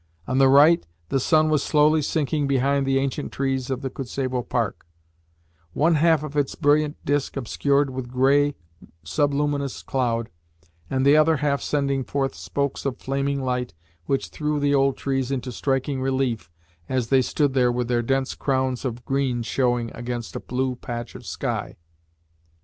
On the right, the sun was slowly sinking behind the ancient trees of the Kuntsevo park one half of its brilliant disc obscured with grey, subluminous cloud, and the other half sending forth spokes of flaming light which threw the old trees into striking relief as they stood there with their dense crowns of green showing against a blue patch of sky.